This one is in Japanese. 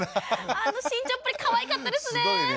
あの慎重っぷりかわいかったですね。